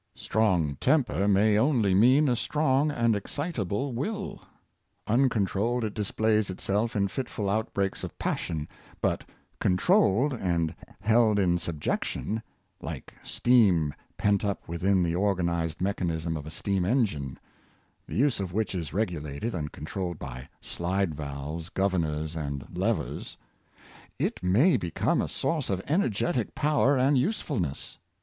Strong temper ma}^ only mean a strong and excita ble will. Uncontrolled, it displays itself in fitful out breaks of passion ; but controlled and held in subjection — like steam pent up within the organized mechanism Uses of Strong Temper, 477 of a steam engine, the use of which is regulated and con trolled by slide valves, governors and levers — it may become a source of energetic power and usefulness.